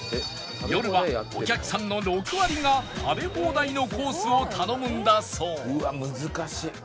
夜はお客さんの６割が食べ放題のコースを頼むんだそう